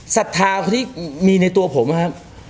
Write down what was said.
ศรัทธาคนที่มีในตัวผมนะครับ